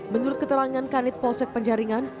menurut keterangan kanit polsek penjaringan